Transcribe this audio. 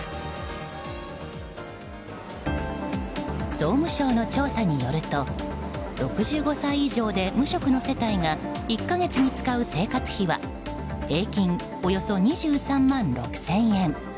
総務省の調査によると６５歳以上で無職の世帯が１か月に使う生活費は平均およそ２３万６０００円。